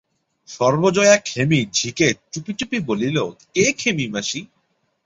সর্বজয়া ক্ষেমি ঝিকে চুপি চুপি বলিল, কে ক্ষেমি মাসি?